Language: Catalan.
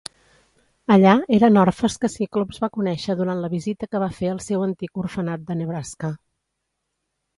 Allà eren orfes que Cyclops va conèixer durant la visita que va fer al seu antic orfenat de Nebraska.